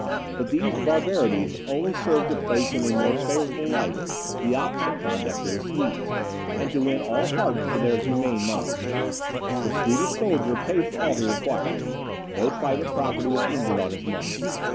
But these barbarities only served to place in a more favourable light the opposite conduct of the Swedes, and to win all hearts to their humane monarch. The Swedish soldier paid for all he required; no private property was injured on his march.